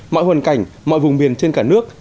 mọi hoàn cảnh mọi vùng biển trên cả nước